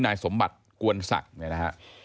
นายสมบัติกวนศักดิ์เนี่ยนะฮะ